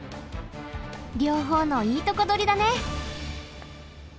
両方のいいとこどりだね。